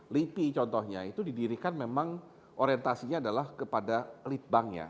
lipi contohnya itu didirikan memang orientasinya adalah kepada lead banknya